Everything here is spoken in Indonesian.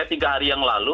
saya tiga hari yang lalu